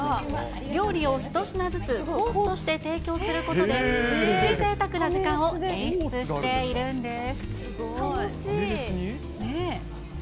料理を１品ずつコースとして提供することで、プチぜいたくな時間を演出しているんです。